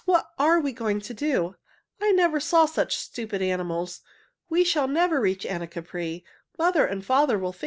"What are we going to do? I never saw such stupid animals. We shall never reach Anacapri.